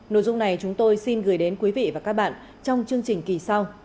nội dung này chúng tôi xin gửi đến quý vị và các bạn trong chương trình kỳ sau